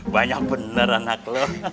banyak bener anak lo